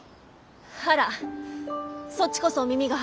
あらそっちこそお耳が早い。